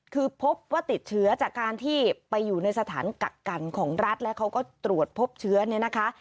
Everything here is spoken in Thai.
คือพบว่าติดเชื้อจากการที่ไปอยู่ในสถานกักกันของรัฐแล้วเขาก็ตรวจพบเชื้อเนี่ยนะคะ